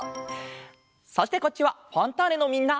そしてこっちは「ファンターネ！」のみんな！